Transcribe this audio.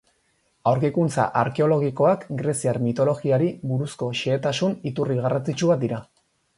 Aurkikuntza arkeologikoak greziar mitologiari buruzko xehetasun iturri garrantzitsu bat dira.